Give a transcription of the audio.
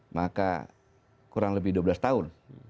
maka kurang lebih dua belas tahun